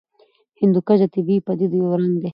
هندوکش د طبیعي پدیدو یو رنګ دی.